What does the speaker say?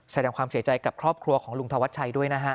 แสดงความเสียใจกับครอบครัวของลุงธวัชชัยด้วยนะฮะ